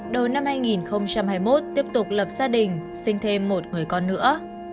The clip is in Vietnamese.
đầu năm hai nghìn hai mươi một tiếp tục lập gia đình sinh thêm một người con nữa